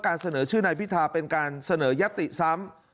เสนอชื่อนายพิธาเป็นการเสนอยติซ้ำ